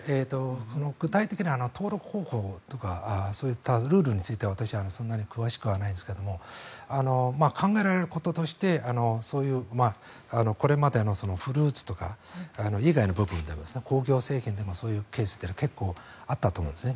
具体的な登録方法とかそういったルールについては私、そんなに詳しくはないんですが考えられることとしてこれまでのフルーツとか以外の部分で工業製品でもそういうケースは結構あったと思うんですね。